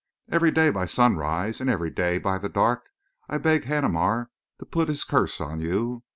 Every day by sunrise and every day by the dark I beg Haneemar to put his curse on you.